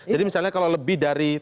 jadi misalnya kalau lebih dari